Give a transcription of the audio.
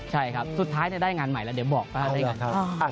ใช่ครับสุดท้ายฟังนึงและได้งานใหม่แล้วเดี๋ยวบอกก็ได้งาน